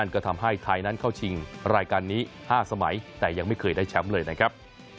ก็ทำให้ไทยนั้นเข้าชิงรายการนี้๕สมัยแต่ยังไม่เคยได้แชมป์เลยนะครับ